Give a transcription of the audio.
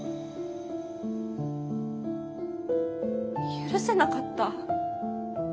許せなかった。